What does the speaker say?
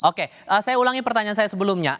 oke saya ulangi pertanyaan saya sebelumnya